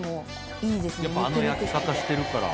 やっぱあの焼き方してるから。